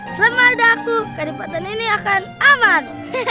selamat datang ke depan ini akan aman